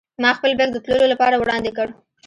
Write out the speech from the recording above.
ما خپل بېک د تللو لپاره وړاندې کړ.